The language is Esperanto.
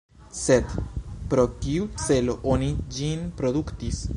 Sed pro kiu celo oni ĝin produktis?